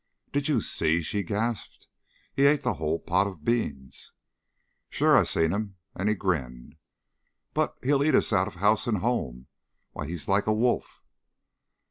"Did you see?" she gasped. "He ate the whole pot of beans!" "Sure I seen him," and he grinned. "But he'll eat us out of house and home! Why, he's like a wolf!"